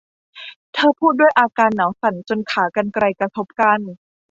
เธอพูดด้วยอาการหนาวสั่นจนขากรรไกรกระทบกัน